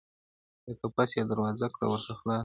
• د قفس یې دروازه کړه ورته خلاصه -